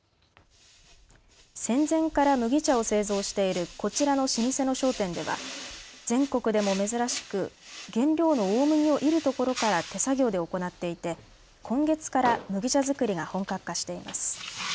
戦前から麦茶を製造しているこちらの老舗の商店では全国でも珍しく原料の大麦をいるところから手作業で行っていて今月から麦茶作りが本格化しています。